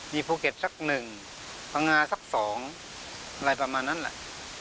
มีภูเก็ตสัก๑พังงาสัก๒อะไรประมาณนั้นแหละ